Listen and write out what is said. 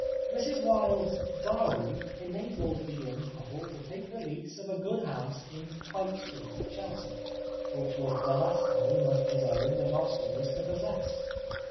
Mrs Wilde's dowry enabled the young couple to take the lease of a good house in Tite Street, Chelsea, which was the last home of his own that Oscar was to possess.